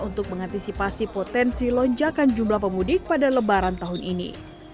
untuk mengantisipasi potensi lonjakan jumlah pemudik pada lebaran tahun ini